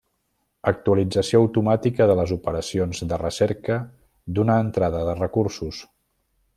Actualització automàtica de les operacions de recerca d'una entrada de recursos.